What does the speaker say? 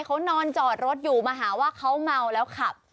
เขานอนจอดรถอยู่มาหาว่าเขาเมาแล้วขับ